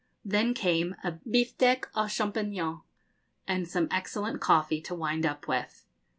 Then came a biftek aux champignons, and some excellent coffee to wind up with.